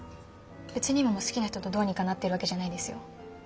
別に今も好きな人とどうにかなってるわけじゃないですよ。